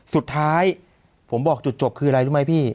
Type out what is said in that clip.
สุดท้ายผมบอกจุดจบคืออะไรรู้ไหมพี่